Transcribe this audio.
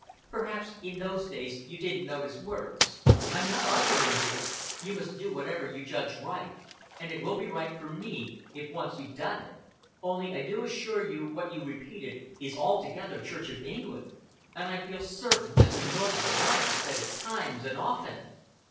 "Perhaps in those days you didn't note his words. I'm not arguing, dear. You must do whatever you judge right, and it will be right for me if once you've done it. Only I do assure you what you repeated is altogether Church of England; and I feel certain Mr. Norton must have said it times and often."